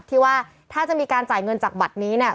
ที่ว่าถ้าจะมีการจ่ายเงินจากบัตรนี้เนี่ย